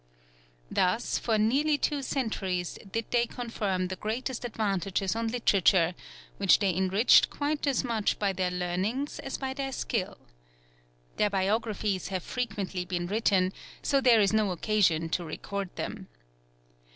Thus for nearly two centuries did they confer the greatest advantages on literature, which they enriched quite as much by their learning as by their skill. Their biographies have frequently been written; so there is no occasion to record them.